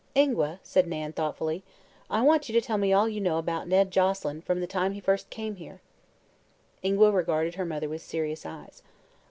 "Ingua," said Nan, thoughtfully, "I want you to tell me all you know about Ned Joselyn, from the time he first came here." Ingua regarded her mother with serious eyes.